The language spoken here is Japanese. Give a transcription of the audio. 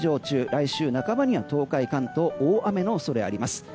来週半ばには東海、関東で大雨の恐れあります。